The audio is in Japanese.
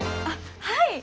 あっはい！